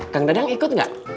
kang dadang ikut gak